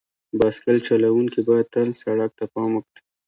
بایسکل چلونکي باید تل سړک ته پام وکړي.